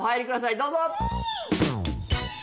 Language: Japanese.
どうぞ。